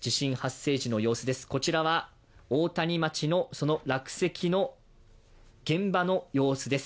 こちらは大谷町のその落石の現場の写真です。